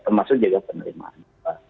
termasuk juga penerimaan